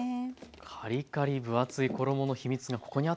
カリカリ分厚い衣の秘密がここにあったんですね。